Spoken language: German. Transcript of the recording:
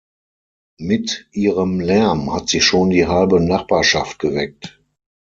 Mit ihrem Lärm hat sie schon die halbe Nachbarschaft geweckt.